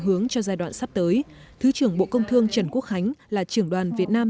hướng cho giai đoạn sắp tới thứ trưởng bộ công thương trần quốc khánh là trưởng đoàn việt nam